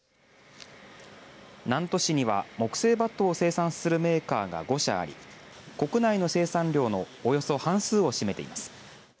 南砺市には木製バットを生産するメーカーが５社あり国内の生産量のおよそ半数を占めています。